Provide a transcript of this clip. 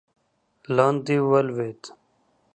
لاندې ولوېد.